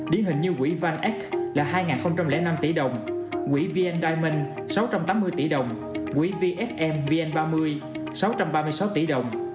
điển hình như quỹ vaneck là hai năm tỷ đồng quỹ vn diamond sáu trăm tám mươi tỷ đồng quỹ vfm vn ba mươi sáu trăm ba mươi sáu tỷ đồng